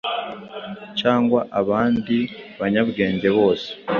cyangwa abandi banyabwenge bose